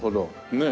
ねえ。